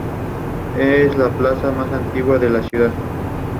En ese entonces, la laguna era bastante más pequeña.